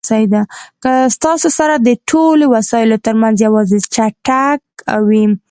که ستاسو سره د ټولو وسایلو ترمنځ یوازې څټک وي.